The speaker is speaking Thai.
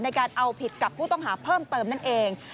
ในการเอาผิดกับผู้ต้องหาเพิ่มเติมนั่นเอง